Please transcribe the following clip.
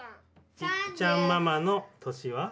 いっちゃんママの年は？